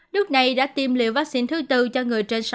đức này đã tiêm liệu vaccine thứ tư cho người trên sàn